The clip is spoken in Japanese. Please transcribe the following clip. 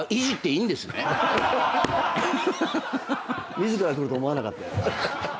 自ら振ると思わなかった。